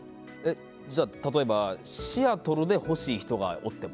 じゃあ例えばシアトルで欲しい人がおっても？